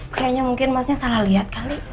kayaknya mungkin masnya sangat lihat kali